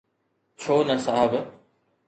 ڇو نه صاحب؟